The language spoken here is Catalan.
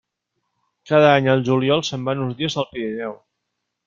Cada any, al juliol, se'n van uns dies al Pirineu.